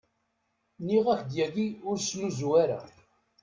Nniɣ-ak-d yagi ur ssnuzu ara.